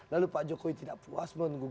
lalu pak jokowi tidak puas